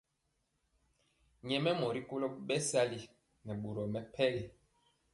Nyɛmemɔ rikolo bɛsali nɛ boro mɛmpegi.